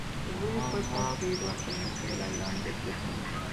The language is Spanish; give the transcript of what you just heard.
El Bullet fue construido al comienzo de la Gran Depresión.